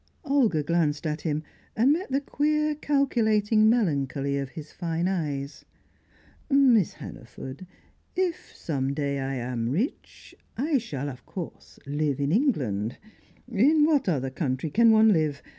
Olga glanced at him, and met the queer calculating melancholy of his fine eyes. "Miss Hannaford, if some day I am rich, I shall of course live in England. In what other country can one live?